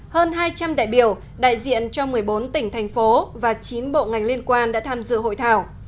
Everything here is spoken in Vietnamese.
hơn hai trăm linh đại biểu đại diện cho một mươi bốn tỉnh thành phố và chín bộ ngành liên quan đã tham dự hội thảo